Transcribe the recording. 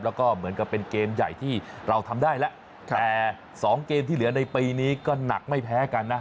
แล้วก็เหมือนกับเป็นเกมใหญ่ที่เราทำได้แล้วแต่สองเกมที่เหลือในปีนี้ก็หนักไม่แพ้กันนะ